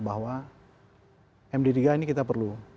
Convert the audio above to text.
bahwa md tiga ini kita perlu